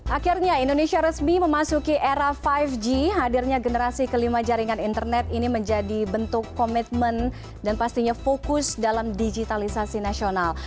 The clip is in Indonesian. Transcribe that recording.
akhirnya indonesia resmi memasuki era lima g hadirnya generasi kelima jaringan internet ini menjadi bentuk komitmen dan pastinya fokus dalam digitalisasi nasional